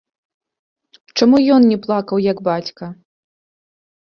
Чаму ён не плакаў, як бацька?